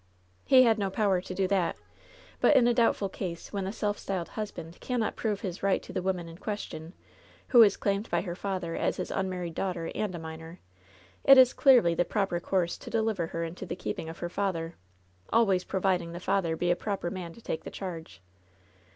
"He had no power to do that. But in a doubtful case, when the self styled 'husband' cannot prove his right to the woman in question, who is claimed by her father as his tmmarried daughter and a minor, it is clearly the proper course to deliver her into the keeping of her father, always providing the father be a proper man to take the charge.